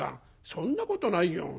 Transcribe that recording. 「そんなことないよ。